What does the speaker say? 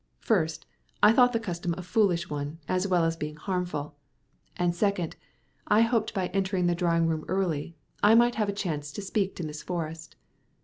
First, I thought the custom a foolish one, as well as being harmful; and, second, I hoped by entering the drawing room early, I might have a chance to speak to Miss Forrest.